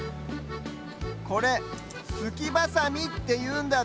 これ「すきバサミ」っていうんだって！